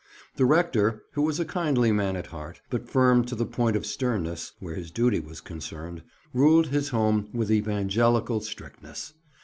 The rector, who was a kindly man at heart, but firm to the point of sternness where his duty was concerned, ruled his home with evangelical strictness.